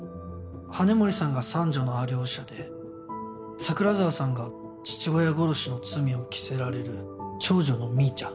羽森さんが三女のアリョーシャで桜沢さんが父親殺しの罪を着せられる長女のミーチャ。